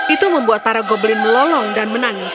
itu membuat para goblin melolong dan menangis